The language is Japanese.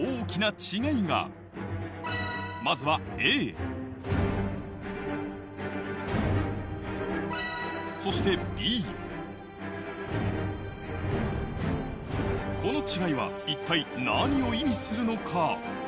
まずはそしてこの違いは一体何を意味するのか？